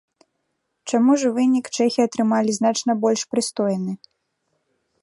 Чаму ж вынік чэхі атрымалі значна больш прыстойны?